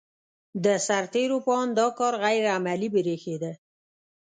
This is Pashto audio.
د سرتېرو په اند دا کار غیر عملي برېښېده.